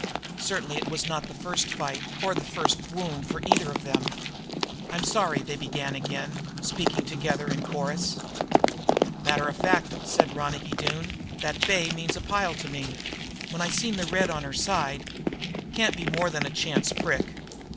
Certainly it was not the first fight or the first wound for either of them. "I'm sorry," they began again, speaking together in chorus. "Matter of fact," said Ronicky Doone, "that bay means a pile to me. When I seen the red on her side " "Can't be more than a chance prick."